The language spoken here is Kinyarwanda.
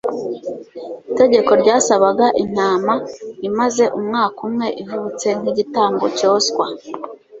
itegeko ryasabaga intama imaze umwaka umwe ivutse nk'igitambo cyoswa